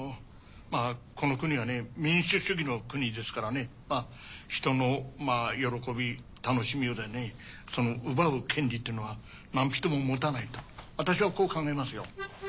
この国はね民主主義の国ですからね人の喜び楽しみをだね奪う権利っていうのは何人も持たないと私はこう考えますよ。